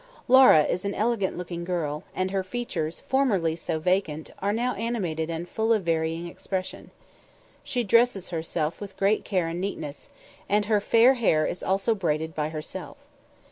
Laura is an elegant looking girl, and her features, formerly so vacant, are now animated and full of varying expression. She dresses herself with great care and neatness, and her fair hair is also braided by herself.